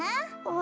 あ